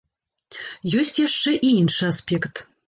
Ёсць яшчэ і іншы аспект.